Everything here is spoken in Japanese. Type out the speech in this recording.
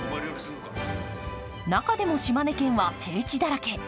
中でも島根県は聖地だらけ。